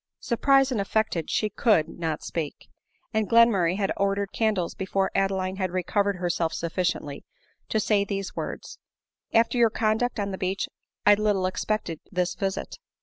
Surprised and affected, she could, not speak ; and Glenmurray had ordered candles before Adeline had recovered herself sufficiently to say these words, " After your conduct on the beach, I little expected this visit."